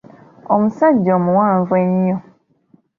Omusajja omuwanvu ennyo.